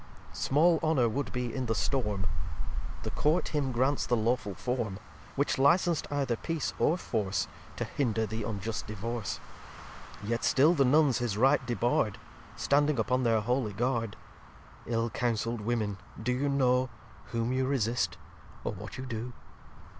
xxx Small Honour would be in the Storm. The Court him grants the lawful Form; Which licens'd either Peace or Force, To hinder the unjust Divorce. Yet still the Nuns his Right debar'd, Standing upon their holy Guard. Ill counsell'd Women, do you know Whom you resist, or what you do?